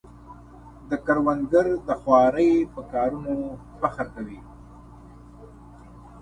کروندګر د خوارۍ په کارونو فخر کوي